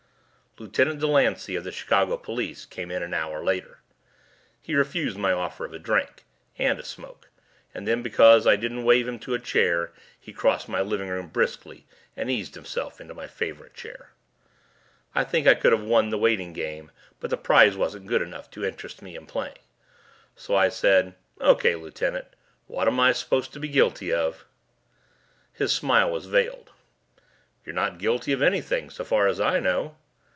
Lieutenant Delancey of the Chicago police came in an hour later. He refused my offer of a drink, and a smoke, and then because I didn't wave him to a chair he crossed my living room briskly and eased himself into my favorite chair. I think I could have won the waiting game but the prize wasn't good enough to interest me in playing. So I said, "O.K., lieutenant, what am I supposed to be guilty of?" His smile was veiled. "You're not guilty of anything, so far as I know."